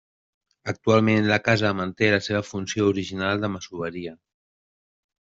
Actualment la casa manté la seva funció original de masoveria.